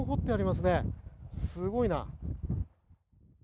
すごいな。